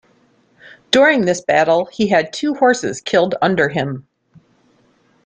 During this battle, he had two horses killed under him.